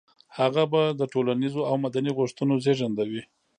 هغه به د ټولنيزو او مدني غوښتنو زېږنده وي.